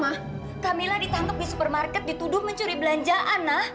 ma kamila ditangkap di supermarket dituduh mencuri belanjaan ma